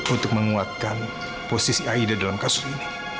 untuk menguatkan posisi aida dalam kasus ini